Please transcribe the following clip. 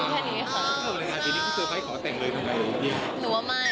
เป็นใครขอเซอร์ไพรส์ทำเป็นวันนี้